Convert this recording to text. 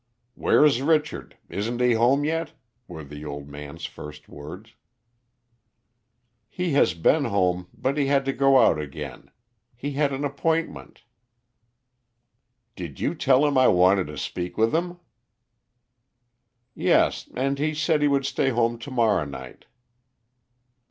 "Where's Richard? Isn't he home yet?" were the old man's first words. "He has been home, but he had to go out again. He had an appointment." "Did you tell him I wanted to speak with him?" "Yes, and he said he would stay home to morrow night."